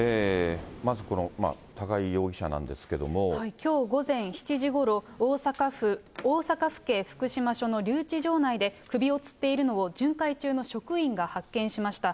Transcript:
まずこの高井容疑者なんですけどきょう午前７時ごろ、大阪府警福島署の留置場内で、首をつっているのを、巡回中の職員が発見しました。